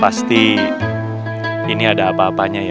pasti ini ada apa apanya ya